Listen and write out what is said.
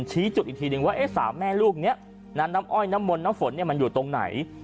ชี้จุดอีกทีนึงว่าเอ๊ะสามแม่ลูกเนี่ยน้ำอ้อยน้ำมนต์น้ำฝนเนี่ยมันอยู่ตรงไหน